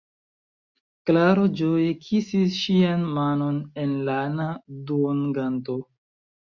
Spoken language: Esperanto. Klaro ĝoje kisis ŝian manon en lana duonganto.